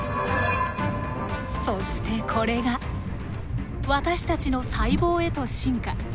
そしてこれが私たちの細胞へと進化。